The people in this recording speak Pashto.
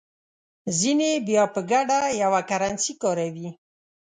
ځینې بیا په ګډه یوه کرنسي کاروي.